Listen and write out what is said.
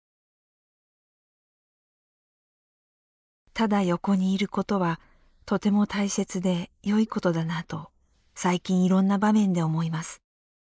「ただ横にいる事はとても大切で良い事だなと最近色んな場面で思います」。